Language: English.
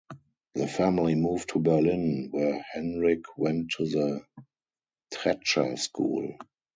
The family moved to Berlin, where Henrik went to the Tretscher School.